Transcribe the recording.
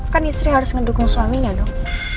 kan istri harus ngedukung suaminya dong